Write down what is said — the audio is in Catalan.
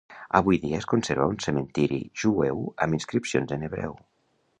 Avui dia es conserva un cementiri jueu amb inscripcions en hebreu.